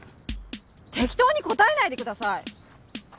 適当に答えないでください。